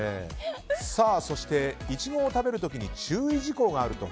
さあ、そしてイチゴを食べる時に注意事項があると。